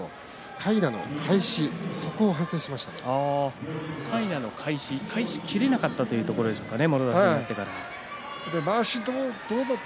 かいなの返しかいなの返しが返し切れなかったということでしょうかね。